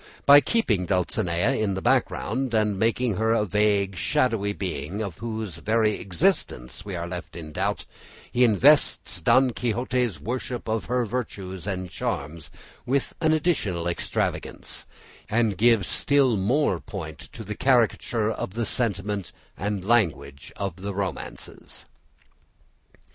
By keeping Dulcinea in the background, and making her a vague shadowy being of whose very existence we are left in doubt, he invests Don Quixote's worship of her virtues and charms with an additional extravagance, and gives still more point to the caricature of the sentiment and language of the romances.